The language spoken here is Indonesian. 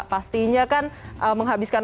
pastinya kan menghabiskan